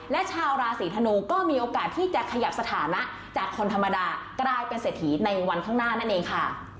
และชาวราศีธนูก็มีโอกาสที่จะขยับสถานะจากคนธรรมดากลายเป็นเศรษฐีในวันข้างหน้านั่นเองค่ะ